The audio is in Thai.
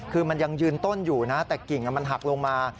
คือมันยังยืนต้นอยู่นะแต่กิ่งมันหักลงมา